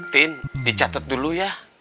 tin dicatat dulu ya